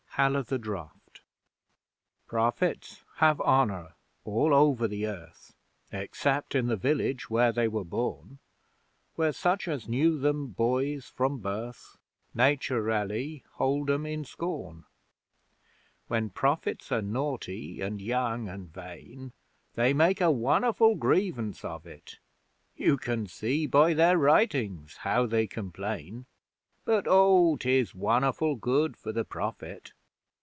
HAL O' THE DRAFT Prophets have honour all over the Earth, Except in the village where they were born, Where such as knew them boys from birth Nature ally hold 'em in scorn. When Prophets are naughty and young and vain, They make a won'erful grievance of it; (You can see by their writings how they complain), But Oh, 'tis won'erful good for the Prophet!